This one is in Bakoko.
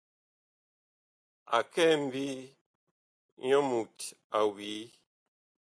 A kɛ ŋmbii, nyɔ mut a wii.